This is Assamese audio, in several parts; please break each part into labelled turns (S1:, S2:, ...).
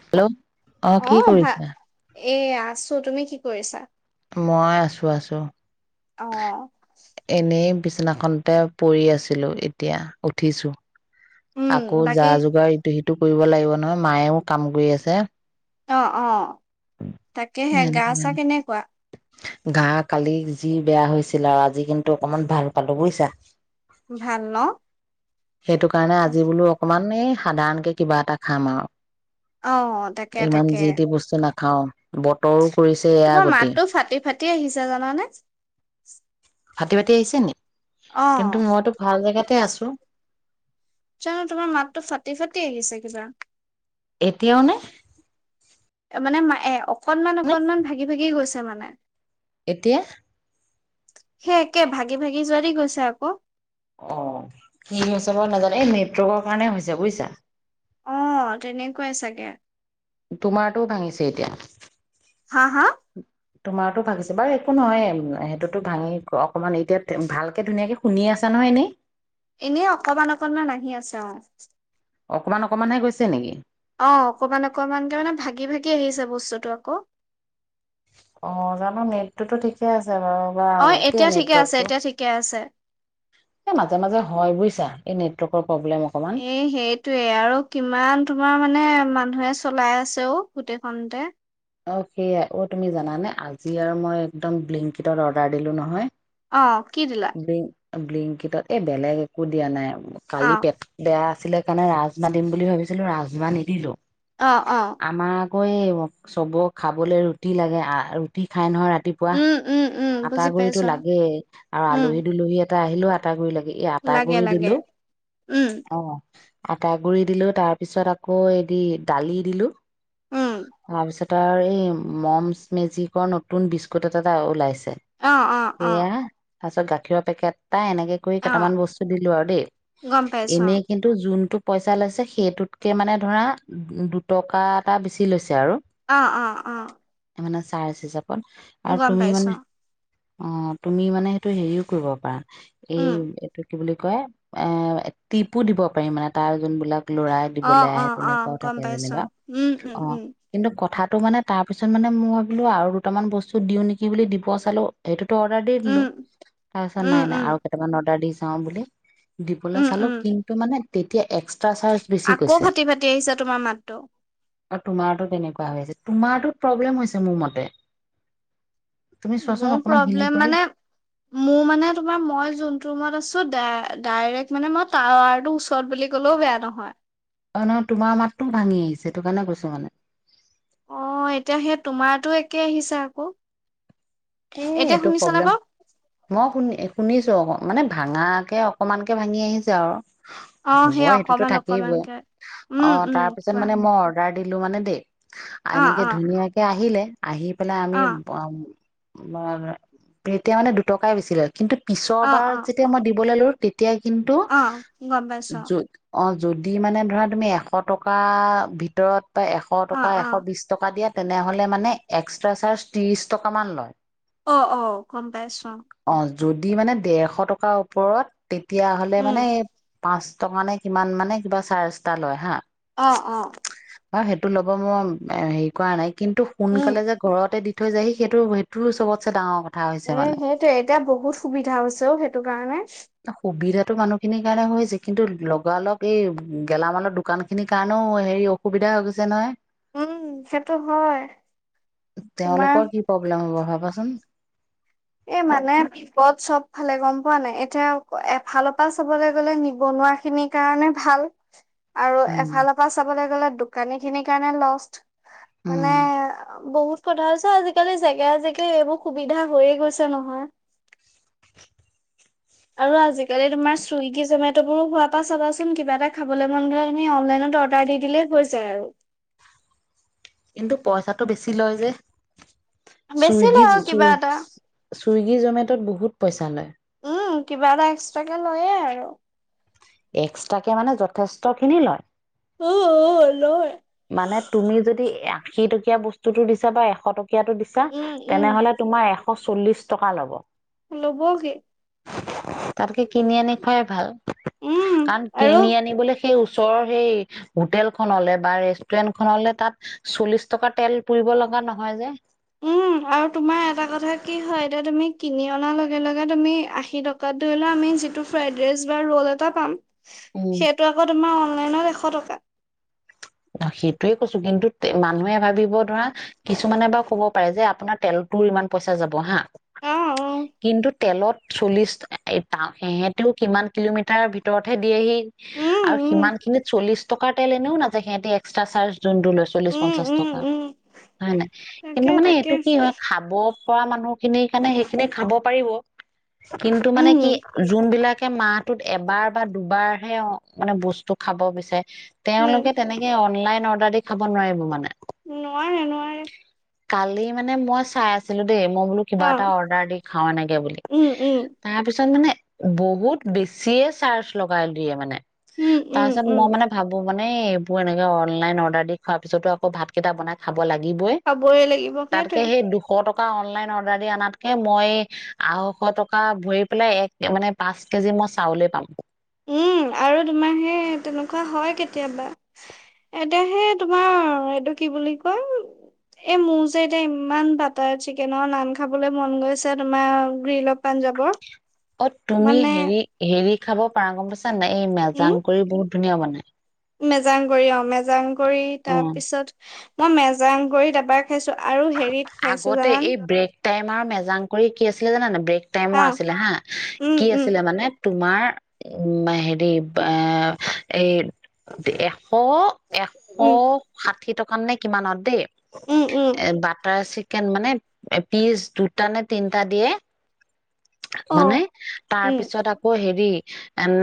S1: হেল্লো ' অহ কি কৰিছা?
S2: এই আছো তুমি কি কৰিছা?
S1: মই আছোঁ আছোঁ।
S2: অ' [inaudible]
S1: বিছনাখনতে পৰি আছিলোঁ এতিয়া উঠিছোঁ
S2: উম
S1: আকৌ যা
S2: বাকী
S1: যোগাৰ ইটো সিটো টো কৰিব লাগিব নহয় মায়েও কাম কৰি আছে [inaudible]
S2: অ' অ' [inaudible] তাকেহে
S1: এনে
S2: গা চা কেনেকুৱা
S1: গা কালি যি বেয়া হৈছিল আৰু আজি কিন্তু অকমান ভাল পালো বুজিছা [inaudible]
S2: ভাল ন [inaudible]
S1: সেইটো কাৰণে আজি বোলো অকমান মানে সাধাৰণকে কিবা এটা খাম
S2: অ তাকে
S1: আৰু [inaudible]
S2: তাকে
S1: ইমান যি দি বস্তু না খাও বতল কৰিছে এয়া আগতে [inaudible]
S2: কি আহিছা জানানে [inaudible]
S1: ভাটি ভাটতি আহিছে নি
S2: অ
S1: [inaudible] কিন্তু মইতো ভাল জেগাত তাতে আছো [inaudible]
S2: চোৱানো তোমাৰ মাতটো ফাটি ফাটি আহিছে কিবা [inaudible]
S1: এতিয়াও নে [inaudible]
S2: এ মানে মায়ে অকনমান
S1: নে
S2: অকনমান ভাগি ভাগি গৈছে [inaudible] মানে [inaudible]
S1: এতিয়া [inaudible]
S2: সেই একে ভাগি ভাগি যোৱাল গৈছে আকৌ [inaudible]
S1: অ' কি হৈছে বাৰু নাজানে। এই নেটৱৰ্কৰ কাৰণে হৈছে বুজিছা।
S2: অ' তেনেকুৱাই চাগে।
S1: তোমাৰটোও ভাঙিছে এতিয়া।
S2: হা, হা?
S1: তোমাৰতো ভাঙিছে বাৰু একো নহয়, সেইটোতো ভাঙি অকমান এতিয়া ভালকে ধুনীয়াকে শুনি আছা নহয়, এনে?
S2: এনে অকমান, অকনমান আহি আছে অ।
S1: অকমান, অকমানহে গৈছে নেকি?
S2: অ অকমান, অকমানকে মানে ভাগি-ভাগি আহিছে বস্তুটো আক।
S1: অ জানো নেটটোতো ঠিকে আছ ছে বাও
S2: অ
S1: বাও কি
S2: এতিয়া ঠিকে আছে
S1: নেটৱৰ্কটো,
S2: এতিয়া ঠিকে আছে
S1: এই মাজে মাজে হয় বুজিছা। এই নেটৱৰ্কৰ প্ৰব্লেম অকমান
S2: এ সেইটোৱে আৰু কিমান তোমাৰ মানে মান ধয়ে চলাই আছেও গোটেইখনতে।
S1: অ সেয়াই অ তুমি জানে আজি আৰু মই একদম ব্লিংকিটত অৰ্ডাৰ দিলোঁ নহয়।
S2: অ কি দিলা?
S1: ব্লেংকিতত, এই বেলেগ একো দিয়া নাই।
S2: অ
S1: কালি পেট বেয়া। ছিলে কাৰণে ৰাজমাহ দিম বুলি ভাবিছিলো ৰাজমাহ নিদিলো।
S2: অ অ।
S1: কৈ ব। চবক খাবলৈ ৰুটি লাগে, ৰুটি খাই নহয় ৰাত তিপুৱা।
S2: উম উম উম
S1: আটা
S2: বুজি
S1: গুৰিতটো
S2: পাইছো
S1: লাগেই আৰু
S2: উম
S1: আলহী দুলহী। এটা আহিলো আ এটা কৰি লাগে। এ আটা
S2: লাগে
S1: গুৰি
S2: লাগে
S1: দিলো।
S2: উম
S1: অ' আটা গুৰি দিলো। তাৰ পিছত আকৌ এদি দালি দিলো।
S2: উম
S1: তাৰপিছত। তাৰ এই মম্ছ মেজিকৰ নতুন বিস্কুট এটা এটা ওলাইছে।
S2: অ', অ', অ'।
S1: তাৰপিছত গাখীৰৰ পেকেট তাই এনেকে কৰি
S2: অ
S1: কেইটামান বস্তু দিলো আৰু দেই।
S2: গম পাইছো
S1: এনেই কিন্তু যোনটো। পইচা লৈছে সেইটোতকে মানে ধৰা দুটকা এটা বেছি লৈছে। আৰু
S2: অ', অ', অ'।
S1: তাৰ্জ হিচাপত।
S2: অ
S1: আৰু
S2: গম
S1: তুমি মানে।
S2: পাইছো
S1: অ' তুমি মানে সেইটো হেৰিও কৰিব পাৰা। এই
S2: উম
S1: এইটো। কি বুলি কয়, এ টিপো দিব পাৰি মানে তাৰ যোনবিলাক ল'ৰাই
S2: অ
S1: দিবলৈ
S2: অ
S1: আহে
S2: অ
S1: তেনেকুৱাও
S2: গম
S1: থাকে
S2: পাইছো
S1: যেনিবা।
S2: উম উম
S1: অ'
S2: উম
S1: কিন্তু কথাত ত মানে তাৰপিছত মানে মই ভাবিলো আৰু দুটামান বস্তু দিওঁ নেকি বুলি। পুৱা চালো এইটো। অৰ্ডাৰ দি দিলো
S2: উম
S1: তাৰ পিছত
S2: উম
S1: নাই নাই
S2: উম
S1: আৰু কেইটামান অৰ্ডাৰ দি। যাওঁ বুলি। দীপলা
S2: উম
S1: চালো
S2: উম
S1: কিন্তু মানে। তেতিয়া এক্স। এটা চাৰ্জ বেছি
S2: আকৌ
S1: গৈছে
S2: ফাটি ফাটি আহিছে তোমাৰ মাতটো
S1: আৰু তোমাৰতো তেনেকুৱা হৈ আছে। তোমাৰটো প্ৰব্লেম হৈছে মোৰ মতে। তুমি চোৱাচোন
S2: মোৰ
S1: অকমান হিলি
S2: প্ৰব্লেম
S1: কৰি
S2: মানে মোৰ মানে তোমাৰ মই জোনটো ৰুমত আছো। ডাইৰেক্ট মানে মই টাৱাৰ টো ওচৰত বুলি ক'লেও বেয়া নহয়।
S1: অহ নহয় তোমাৰ মাতটোও ভাঙি আহিছে সিটো কাৰণে কৈছো মানে।
S2: অ এতিয়া সেই তোমাৰো একে আহিছে আকৌ।
S1: এ
S2: এতিয়া
S1: এইটো
S2: শুনিছানে
S1: প্ৰব্লেম
S2: বাৰু?
S1: মই শুনি শুনিছো অকৌ। মানে ভাঙাকে অকমানকে ভাঙি আহিছে আৰু।
S2: অ
S1: হ'ব
S2: সেইয়া
S1: সেইটোতো
S2: অকমান
S1: থাকিবই
S2: অকমানকে
S1: অ
S2: উম উম
S1: তাৰ পিছত
S2: কোৱা।
S1: মানে মই অৰ্ডাৰ দিলো মানে দে।
S2: অ'
S1: এনেকে
S2: অ'
S1: ধুনীয়াকে আহিলে। আহি পেলাই আমি।
S2: অ'
S1: তোমাৰ এতিয়া মানে দুটকাই বেছি লয় কিন্তু। পিছৰ
S2: অ'
S1: বাৰ
S2: অ'
S1: যেতিয়া মই দিব ললো। এতিয়া কিন্তু
S2: অ' গম পাইছো
S1: অহ। যদি মানে ধৰা তুমি এশ টকা ভিতৰত। এশ টকা
S2: অ'
S1: এশ
S2: অ'
S1: বিশ টকা দিয়া। তেনেহলে মানে এক্সট্ৰা চাৰ্জ ত্ৰিছ টকামান লয়।
S2: অহ অহ গম পাইছো।
S1: অ যদি মানে ডেৰশ টকাৰ ওপৰত। তেতিয়া হ'লে
S2: উম
S1: মানে পাঁচ। টকা নে কিমান মানে কিবা চাৰ্জ এটা লয় হা
S2: অহ অহ।
S1: সেইটো ল'ব মই হেৰি কৰা নাই। কিন্তু
S2: উম
S1: সোনকালে যে ঘৰতে দি। থৈ যায় সেইটো। তোৰ চবছে ডাঙৰ কথা হৈছে
S2: এ
S1: মানে
S2: সেইটোৱে এতিয়া বহুত সুবিধা হৈছেও সেইটো কাৰণে
S1: সুবিধাতটো মানুহখিনিৰ কাৰণে হৈছে কিন্তু লগালগ এই গেলামালৰ দোকান খিনিৰ কাৰণেও হেৰি অসুবিধা হৈ গৈছে নহয়
S2: উম সেইটো হয়। তোমাৰ
S1: তেওঁলোকৰ কি প্ৰব্লেম হ'ব ভাবাচোন?
S2: এই মানে বিপদ চব ফালে গ'ম পোৱা নাই? এতিয়া এফালৰপা চবলৈ গ'লে নিবনুৱা খিনিৰ কাৰণে ভাল। আৰু
S1: উম
S2: এফালৰ পৰা চাবলৈ গ'লে দোকানী খিনিৰ কাৰণে লষ্ট।
S1: উম
S2: মানে বহুত কথা হৈছ আজিকালি জেগাই জেগাই এইবোৰ সুবিধা হৈয়ে গৈছে আছে নহয়। আৰু আজিকালি তোমাৰ চুইগি জমেটোবোৰো হোৱাৰ পৰা চাবাচোন কিবা এ খাবলৈ মন গ'লে আমি অনলাইনত অৰ্ডাৰ দি দিলেই আৰু হয় যায়।
S1: টো পইচাটো বেছি লয় যে?
S2: বেচিলে আৰু কিবা এটা
S1: চুইগী জমেট'ত বহুত পইচা লয়।
S2: উম কিবা এটা এক্সট্ৰাকে লয়ে আৰু।
S1: এক্সট্ৰাকে মানে যথেষ্ট খিনি লয়।
S2: [unintelligible] লয়।
S1: মানে তুমি যদি আশী টকীয়া বস্তুতো দিছা বা এশ টক কীয়া দিছা,
S2: উম উম
S1: তেনেহলে তোমাৰ এ এশ চল্লিশ টকা ল'ব।
S2: ল'বগে।
S1: তাতকে কিনি আনি খুৱাই ভাল।
S2: উম
S1: কাৰণ
S2: আৰু
S1: কিনি আনিবলৈ সেই ওচৰৰ হেই হোটেলখননলে বা ৰে ষ্টুৰেন্টখনলে তাত চল্লিশ টকা তেল পুৰিব লগা নহয় যে।
S2: উম। আৰু তোমাৰ এটা কথা কি হয়, এতিয়া তুমি কিনি অনাৰ লগে লগে তুমি আশী টকাত ধৰি লোৱা আমি যিটো ফ্ৰাইড ৰাইচ বা ৰ'ল এটা পাম
S1: উম
S2: সেইটো আকৌ তোমাৰ অন অনলাইনত এশ টকা।
S1: অ', সেইটোয়ে কৈছো। কিন্তু তে-মানুহে ভাবিব ধৰা কিছুমানে বাৰু কব পাৰে যে আপোনাৰ তেলতোও ইমান পইচা যাব হা।
S2: অ অ
S1: কিন্তু তেলত চল্লিশ [unintelligible] সেহেতেও কিমান কিলোমিটাৰ ভিতৰতহে দিয়েহি
S2: উম
S1: আৰু
S2: উম
S1: সিমানখিনত চল্লিশ টকাৰ তেল এনেও না যায়। সিহতে এক্সটা চাৰ্জ যোনটো লয়
S2: উম
S1: চল্লিশ-পঞ্চাশ
S2: উম
S1: টকা,
S2: উম
S1: হয়নে নাই। কিন্তু
S2: তাকে
S1: মানে
S2: তাকে
S1: এইটো কি হয় খাব খোৱা মানুহ খিনিৰ কাৰণে সেইখিনি খাব পাৰিব। কিন্তু মানে কি
S2: উম
S1: জোনবিলাক কে মাহটোত এবাৰ বা দুবাৰ হে অ', মানে বস্তু খাব বিচাৰে
S2: উম।
S1: তেওঁলোকে তেনেকে অনলাইন অৰ্ডাৰ দি খাব নোৱাৰিব মানে।
S2: নোৱাৰে নোৱাৰে।
S1: কালি মানে মই চাই আছিলোঁ দেই, মই বোলো কিবা
S2: অ
S1: এটা অৰ্ডাৰ দি খাওঁ এনেকে বুলি,
S2: উম উম
S1: তাৰ পিছত মানে বহুত বেছিয়ে চাৰ্জ লগাই দিয়ে মানে।
S2: উম
S1: তাৰ
S2: উম
S1: পিছত
S2: উম
S1: মই মানে ভাবো মানে মোৰ এনেকে অনলাইন অৰ্ডাৰ দি খোৱাৰ পিছতো আকৌ ভাতকেইটা বনাই খাব ব লাগিবই
S2: খাবই লাগিব
S1: তাতকে
S2: সেইটোৱে
S1: সেই দুশ টকা অনলাইন অৰ্ডাৰ দি আনাতকে মই আঢ়ৈশ টকা ভৰি পেলাই এক মানে পাঁচ কেজি মই চাউলে পাম।
S2: উম আৰু তোমাৰ সেই তেনেকুৱা হয় কেতিয়াবা। এতিয়া সেই তোমাৰ এইটো কি বুলি কয় এই মোৰ যে এতিয়া ইমান বাটাৰ চিকেনৰ নান খাবলৈ মন গৈছে তোমাৰ গ্ৰীল অফ পাঞ্জাৱৰ।
S1: অ' তুমি
S2: মানে
S1: হেৰি হেৰি খাব পাৰা গম পাইছে। নাই এই মেজাংকৰি বহু ধুনীয়া বনাই।
S2: মেজাংকৰি অ' মেজাংকৰি। তাৰ
S1: অ
S2: পিছত মই মেজাংকৰিত এবাৰ খাইছোঁ। আৰু হেৰিত খাইছো
S1: আগতে
S2: জানান
S1: এই ব্ৰেক টাইম আৰু মেজাংকৰি কি আছিলে জানা নে নাই ব্ৰেক ক টাইমৰ
S2: অ
S1: আছিলে হা,
S2: উম
S1: কি
S2: উম
S1: আছিলে মানে তোমাৰ উম হেৰি এ এই এশ এশ
S2: উম
S1: ষাঠি টকা মানত নে কিমানত দেই।
S2: উম উম।
S1: এ বাটাৰ চিকেন মানে পিচ দুটা নে তিনটা দিয়ে
S2: অ
S1: মানে
S2: উম
S1: তাৰপিছত আকৌ হেৰি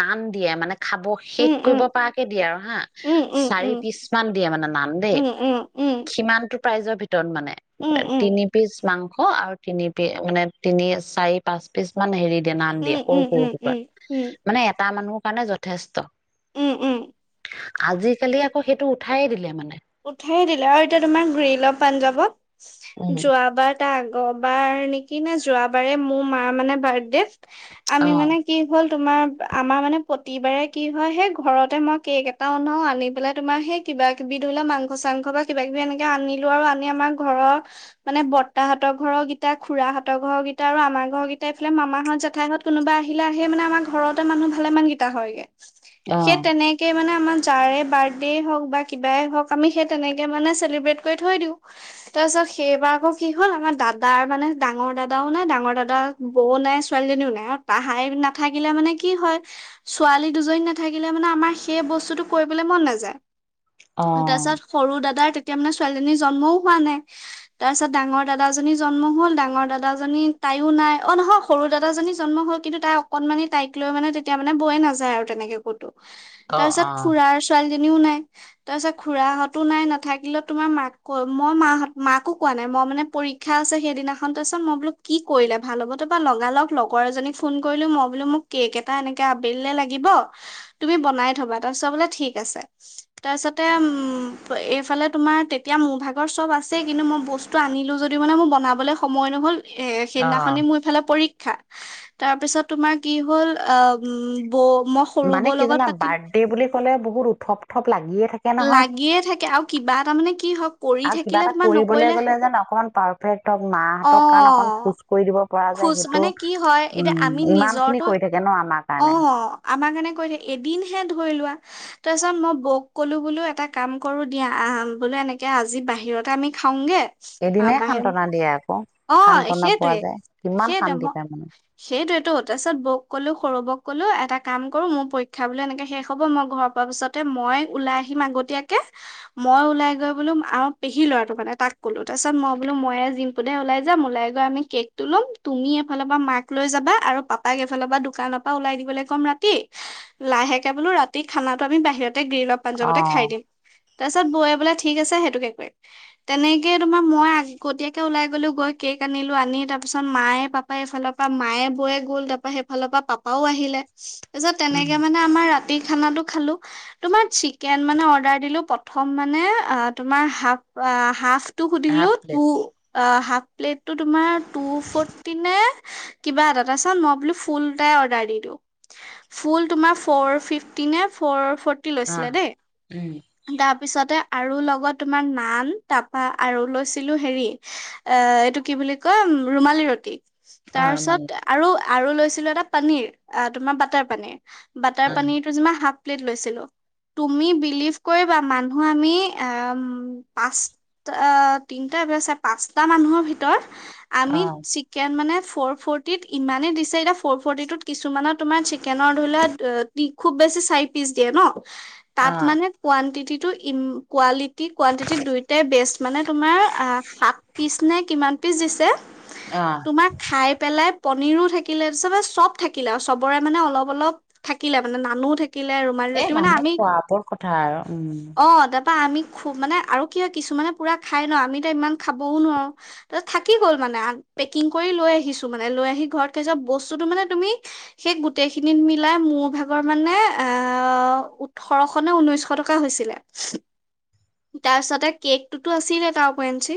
S1: নান দিয়ে মানে খাব শেষ
S2: উম
S1: কৰিব
S2: উম
S1: পৰাকে দিয়ে আৰু হা।
S2: উম
S1: চাৰি
S2: উম
S1: পিচ মান দিয়ে মানে নান দেই।
S2: উম উম উম উম
S1: সিমানটো প্ৰাইজৰ ভিত মানে
S2: উম উম
S1: তিনি
S2: উম
S1: পিচ মাংস আৰু তিনিপি মানে তিনি চাৰি পাঁচ পিচ মান হেৰি নান দিয়ে সৰু
S2: উম উম
S1: সৰু
S2: উম
S1: টুকুৰাত।
S2: উম
S1: মানে এটা মানুহৰ কাৰণে যথেষ্ট।
S2: উম উম।
S1: আজিকালি আকৌ সেইটো উঠাইয়ে দিলে মানে।
S2: উঠাইয়ে দিলে আৰু এতিয়া তোমাৰ গ্ৰীল অফ পাঞ্জাৱৰ
S1: উম
S2: যোৱাবাৰ তা আ গবাৰ নেকি নে যোৱাবাৰে মোৰ মাৰ মানে বাৰ্থডেত আমি
S1: অ',
S2: মানে কি হ'ল তোমাৰ আমাৰ মানে প্ৰতিবাৰে কি হয়, সেই ঘৰতে মই কেক এটা অনাও, আনি পেলাই তোমাৰ সেই কিবা কিবি ধৰি লোৱা মাংস-চাংস বা কিবা কিবি এনেকে আনিলো আৰু আনি আমাৰ ঘৰৰ মানে বৰ্তাহঁতৰ ঘৰৰকেইটা, খুৰাহঁতৰ ঘৰৰ কেইটা, আৰু আমাৰ ঘৰৰকেইটা, এইফালে মামাহঁত, জেঠাইহঁত কোনোবা আহিলে আহে মানে আমাৰ ঘৰতে মানুহ ভালেমানকেইটা হয়গে। সেই
S1: অ',
S2: তেনেকেই মানে যাৰেই বাৰ্থডে হওঁক বা কিবা কিবাই হওঁক, আমি সেই তেনেকেই মানে চেলিব্ৰেট কৰি থৈ দিওঁ, তাৰ পিছত সেইবাৰ আকৌ কি হ'ল, আমাৰ দাদাৰ মানে ডাঙৰ দাদাও নাই, ডাঙৰ দাদা বৌও নাই, ছোৱালীজনীও নাই আৰু তাহাই নাথাকিলে মানে কি হয় ছোৱালী দুজনী নাথাকিলে মানে আমাৰ সেই বস্তুটো কৰিবলৈ মন নাযায়। তাৰ
S1: অ'।
S2: পিছত সৰু দাদাৰ তেত তেতিয়া মানে ছোৱালীজনী জন্মও হোৱা নাই, তাৰপিছত ডাঙৰ দাদাজনী জন্ম হ'ল, ডাঙৰ দাদাজনী তাইও নাই, অ' নহয় সৰু দাদাজনী জন্ম হ'ল, কিন্তু তাই অকণমানি তাইক লৈ মানে তেতিয়া মানে বৌয়ে নাযায় আৰু তেনেকে ক'তো। তাৰ
S1: অ',
S2: পিছত
S1: অ',
S2: খুৰাৰ ছোৱালী জনীও নাই। তাৰপাছত খুৰাহঁতো নাই, নাথাকিলেও তোমাৰ মাক কৈ মই মাহঁত-মাকো কোৱা নাই, মই মানে পৰীক্ষা আছে সেইদিনাখন, তাৰপাছত মই বুলো কি কৰিলে ভাল হ'ব, তাৰপৰা লগালগ লগৰ এজনীক ফোন কৰিলোঁ, মই বোলো মোক কেক এটা এনেকে আবেলিলৈ লাগিব, তুমি বনাই থ'বা, তাৰপাছত বোলে ঠিক আছে। তাৰপিছতে এইফালে তোমাৰ তেতিয়া মোৰ ভাগৰ চব আছেই, কিন্তু মই বস্তু আনিলোঁ যদিও মানে মোৰ বনাবলৈ সময় নহ'ল এ
S1: অ'।
S2: সেইদিনাখনি মোৰ ইফালে পৰীক্ খা, তাৰপিছত তোমাৰ কি হ'ল আ
S1: মানে কি জানা বাৰ্থডে বুলি ক'লে বহুত উথপ উথপ লাগিয়ে থাকে নহয়।
S2: লাগিয়ে থাকে আৰু কিবা এটা মানে কি হওঁক কৰি
S1: আৰু কিবা
S2: থাকিলে
S1: এটা
S2: তোমাৰ
S1: কৰিবলৈ
S2: নকৰিলে
S1: গ'লে যেন অকমান পাৰফেক্ট তাক মাহঁতৰ কাৰণে অকন সুছ কৰি দিব পৰা যায়
S2: খুচ
S1: সেইটো
S2: মানে কি হয়, এতিয়া আমি
S1: উম ইমান খিনি
S2: নিজৰটো,
S1: কৰি থাকে ন আমাৰ
S2: অ'
S1: কাৰণে
S2: আমাৰ কাৰণে কৈ দিয়ে, এদিনহে ধৰি লোৱা তাৰপিছত মই বৌ ক'লোঁ বোলো এটা কাম কৰোঁ দিয়া বোলো আহা এনেকৈ আজি বাহিৰতে আমি খাওঁগৈ
S1: এদিনে সান্তনা দিয়ে আকৌ
S2: অ
S1: সান্তনা পোৱা
S2: সেইটোৱে
S1: যায়। কিমান শান্তি পায় মানে
S2: সেইটোটো তাৰ পিছত বৌক ক'লো সৰু বৌক ক'লো, এটা কাম কৰো মোৰ পৰীক্ষা বোলো এনেকে শেষ হ'ব, মই ঘৰৰ পোৱা পিছতে মই ওলাই আহিম আগতীয়াকে, মই ওলাই গৈ বোলো আমাৰ পেহী লৰাটো মানে তাক ক'লো, তাৰ পিছত মই বোলো ময়ে জিম্পুদায়ে ওলাই যাম, ওলাই গৈ আমি কে'ক টো লম, তুমি এফালৰ পৰা মাক লৈ যাবা, আৰু পাপাক এফালৰ পৰা দোকানৰ পৰা ওলাই দিবলৈ ক'ম ৰাতি, লাহেকে বোলো ৰাতি খানাটো আমি বাহিৰত গ্ৰীণ অৱ
S1: অ
S2: পাঞ্জাৱতে খাই দিম। তাৰ পিছত বৈ বোলে ঠিক আছে সেইটোকে কৰিম, তেনেকে তোমাৰ মই আগতীয়াকে ওলাই গ'লো, গৈ কেক আনিলো আনি তাৰ তাৰপিছত মায়ে পাপাই এইফালৰপা, মায়ে বৌয়ে গ'ল, তাৰপা সেইফালৰ পৰা পাপাওঁ আহিলে তাপিছত
S1: উম
S2: তেনেকে মানে আমাৰ ৰা তি খানাটো খালোঁ, তোমাৰ চিকেন মানে অৰ্দাৰ দিলোঁ প্ৰথম মানে আ তোমাৰ হাফ আ হাফ তো
S1: হাফ
S2: সুধিলো
S1: প্লেট
S2: টু অ হাফ প্লেটটো তোমাৰ টু ফৰ্টি নে কিবা এটা তাছত মই ভাবিলো ফুল এটাকে অৰ্ডাৰ কৰি দিওঁ, ফুল তোমাৰ ফ'ৰ ফিফটি নে ফ'ৰ ফ'ৰটি
S1: অ
S2: লৈছিলে দেই,
S1: উম
S2: তাৰ পিছতে আৰু লগত তোমাৰ নান তাপা আৰু লৈছিলোঁ হেৰি অ', এইটো কি বুলি কয় ৰুমালী ৰুটি।
S1: অ
S2: তাৰ
S1: মানে
S2: পিছত আৰু আৰু লৈছিলোঁ এটা পনীৰ, তোমাৰ বাটাৰ পনীৰ। বাটাৰ
S1: অ
S2: পনীতো যিমান হাফ প্লেট লৈছিলোঁ, তুমি বিলিভ কৰিবা মানুহ আমি অম, পাঁচ অ', তিনতা [unintelligible] পাঁচটা মানুহৰ ভিতৰত
S1: অ
S2: আমি চিকেন মানে ফ'ৰ ফৰ্টিত ইমানেই দিছে এতিয়া ফ'ৰ ফৰ্টিটোত কিছুমানৰ তোমাৰ চিকেনৰ ধৰি খুব বেছি চাৰি পিচ দিয়ে ন'।
S1: অ
S2: তাত মানে কোৱান্টিতি টো ইম কোৱালি কি কোৱণ্টিটি দুইটাই বেষ্ট মানে তোমাৰ অহ, সাত পিচ নে কিমান পিচ দিছে।
S1: অ
S2: তোমাৰ খাই পেলাই পনীৰো থাকিলে চব থাকিলে আৰু চবৰে মানে অলপ অলপ থাকিলে, মানে নানো থাকিল
S1: এ মানুহে খোৱা ওপৰত কথা আৰু উম।
S2: পা আমি খুব মানে আৰু কি হয় কিছু মানে পুৰা খাই ন আমিটো ইমান খাবও নোৱাৰোঁ তাৰপিছত থাকি গ'ল। মানে পেকিং কৰি লৈ আহিছোঁ মানে, লৈ আহি ঘৰত খাইছো বস্তুতো মানে তুমি সেই গোটেই খিনি মিলাই মোৰ ভাগৰ মানে অ', ওঠৰস নে ঊনৈশ টকা হৈছিলে তাৰপিছতে কেকটোটো আছিলে উপৰিঞ্চি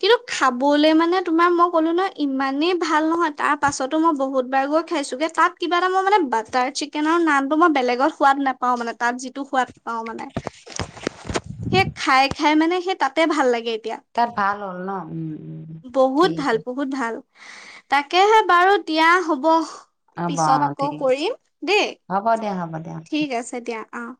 S2: কিন্তু খাবলে মানে তোমাক মই ক'লোঁ নহয় ইমানেই ভাল নহয় তাৰ পাছতো মই বহুতবাৰ গৈ খাইছোঁগে তাত কিবা এটা মই মানে বাটাৰ চিকেনৰ নামটো মই বেলেগ আগত সোৱাদ নাপাওঁ মানে তাত যিটো সোৱাদ পাওঁ মানে, সেই খাই খাই মানে সেই তাতে ভাল লাগে। এতিয়া
S1: তাত ভাল হ'ল ন' উম।
S2: বহুত
S1: ঠিক
S2: ভাল,
S1: আছে
S2: বহুত ভাল। তাকেহে বাৰু দিয়া হ'ব।
S1: হ'ব অ
S2: পিছত আকৌ
S1: ঠিক আছে
S2: কৰিম, দেই।
S1: হ'ব দিয়া হ'ব দিয়া
S2: ঠিক আছে দিয়া, অ'।